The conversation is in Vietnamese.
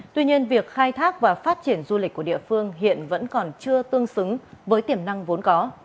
tuy nhiên việc khai thác và phát triển du lịch của địa phương hiện vẫn còn chưa tương xứng với tiềm năng vốn có